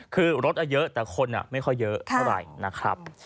คือรถเยอะแต่คนไม่ค่อยเยอะเท่าไหร่นะครับ